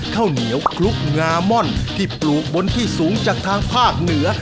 ข้าวเหนียวคลุกงาม่อนที่ปลูกบนที่สูงจากทางภาคเหนือ